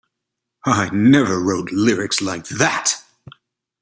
I never wrote lyrics like that.